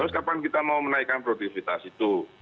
terus kapan kita mau menaikkan produktivitas itu